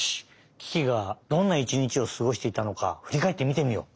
キキがどんな１にちをすごしていたのかふりかえってみてみよう！